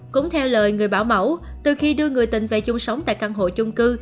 cũng theo lời người bảo mẫu từ khi đưa người tình về chung sống tại căn hộ chung cư